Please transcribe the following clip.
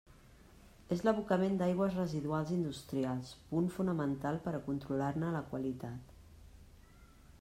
És l'abocament d'aigües residuals industrials punt fonamental per a controlar-ne la qualitat.